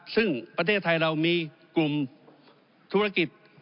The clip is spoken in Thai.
ซึ่งประเทศไทยเรามีกลุ่มธุรกิจ